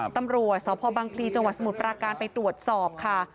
ตำรวจสพบังพลีจังหวัดสมุทรปราการไปตรวจสอบค่ะ